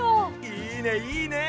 いいねいいね。